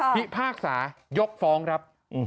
พี่ภาคสาห์ยกฟ้องครับ